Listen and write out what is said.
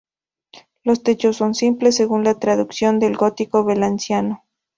Los techos son simples, según la tradición del gótico valenciano.